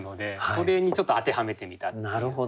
それにちょっと当てはめてみたっていう。